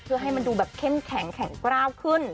เพื่อให้มันดูแบบเข้มแข็งแข็งกล้าวขึ้น